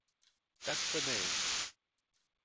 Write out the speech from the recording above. That's the name.